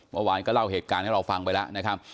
เมื่อวานก็เล่าเหตุการณ์ให้เราฟังไปแล้วนะครับ